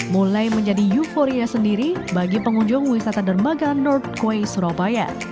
mulai menjadi euforia sendiri bagi pengunjung wisata dermaga north quay surabaya